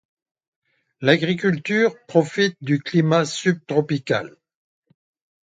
L'agriculture profite du climat subtropical.